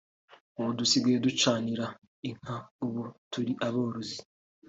ubu dusigaye ducanira inka ubu turi aborozi